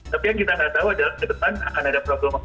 tapi yang kita nggak tahu adalah depan akan ada problem apa lagi